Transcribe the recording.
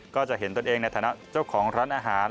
ก็จะเห็นตนเองในฐานะเจ้าของร้านอาหาร